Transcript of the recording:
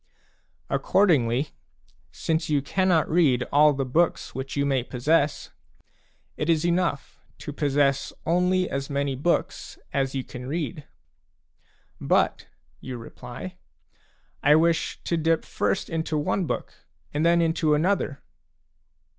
Accordingly, since you cannot read all the books which you may possess, it is enough to possess only P as many books as you can read. " But," you reply, ' "1 wish to dip first into one book and then into another."